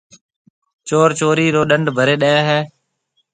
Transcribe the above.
چور چورِي رو ڏنڊ ڀريَ ڏي هيَ۔